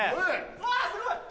うわすごい！